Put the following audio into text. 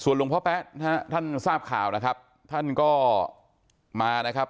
หลวงพ่อแป๊ะนะฮะท่านทราบข่าวนะครับท่านก็มานะครับ